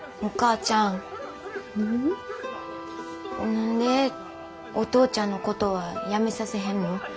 何でお父ちゃんのことはやめさせへんの？